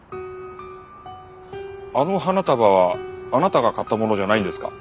あの花束はあなたが買ったものじゃないんですか？